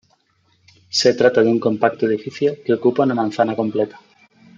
Se trata de un compacto edificio que ocupa una manzana completa.